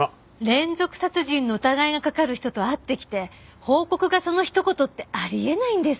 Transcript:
連続殺人の疑いがかかる人と会ってきて報告がそのひと言ってあり得ないんですけど。